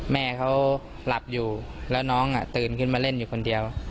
แม่เขาหลับอยู่แล้วน้องตื่นขึ้นมาเล่นอยู่คนเดียว